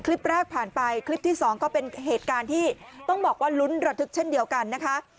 คลิปแรกผ่านไปคลิปที่สองก็เป็นเหตุการณ์ที่ต้องบอกว่าลุ้นระทึกเช่นเดียวกันนะคะ